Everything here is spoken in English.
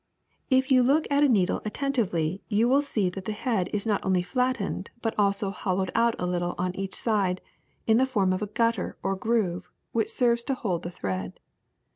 NEEDLES 17 *'If you look at a needle attentively you will see that the head is not only flattened but also hollowed out a little on each side in the form of a gutter or groove which serves to hold the thread.